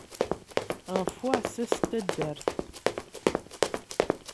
Ɣef uɛssas n taddart.